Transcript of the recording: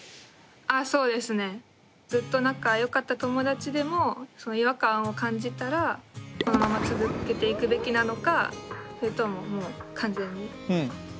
あそうですね。ずっと仲よかった友達でも違和感を感じたらこのまま続けていくべきなのかそれとももう完全に仲よくしなくていいのか。